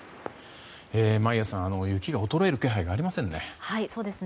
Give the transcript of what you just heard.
眞家さん、雪が衰える気配がありませんね。